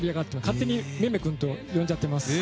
勝手にめめ君と呼んじゃってます。